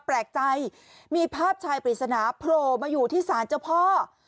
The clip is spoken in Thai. แปลกใจมีภาพชายปริศนาโผล่มาอยู่ที่ศาลเจ้าพ่อ